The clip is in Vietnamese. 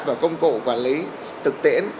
và công cụ quản lý thực tiễn